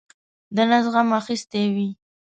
د نس غم اخیستی وي.